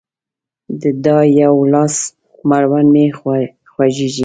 د دا يوه لاس مړوند مې خوږيږي